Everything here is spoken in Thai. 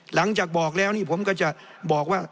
หลังจากบอกแล้วนี่ผมก็จะบอกว่า